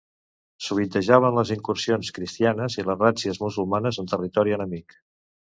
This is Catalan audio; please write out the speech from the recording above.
Sovintejaven les incursions cristianes i les ràtzies musulmanes en territori enemic.